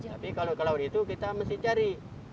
tapi kalau ke laut itu kita mesti cari